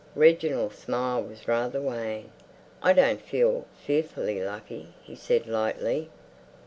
Reginald's smile was rather wan. "I don't feel fearfully lucky," he said lightly.